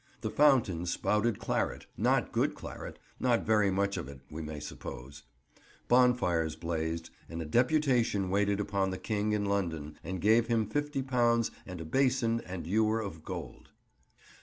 The fountains spouted claret (not good claret, nor very much of it, we may suppose); bonfires blazed; and a deputation waited upon the King in London and gave him £50 and a basin and ewer of gold.